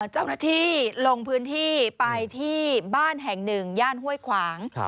เจ้าหน้าที่ลงพื้นที่ไปที่บ้านแห่งหนึ่งย่านห้วยขวาง